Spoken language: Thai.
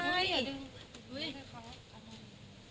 ไม่ใช่